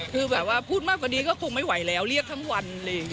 คือแบบว่าพูดมากกว่าดีก็คงไม่ไหวแล้วเรียกทั้งวัน